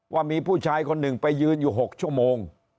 ว่ามีผู้ชายคนหนึ่งไปยืนอยู่๖ชั่วโมง